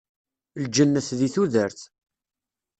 Lǧennet di tudert.